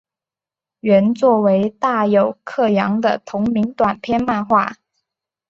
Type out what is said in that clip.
原作为大友克洋的同名短篇漫画。